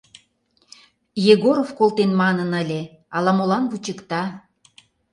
Егоров колтем манын ыле, ала-молан вучыкта.